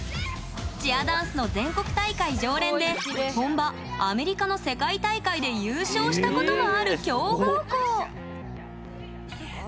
チアダンスの全国大会常連で本場アメリカの世界大会で優勝したこともある強豪校。